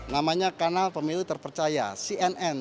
namanya kanal pemilu terpercaya cnn